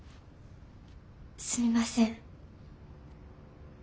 すみません。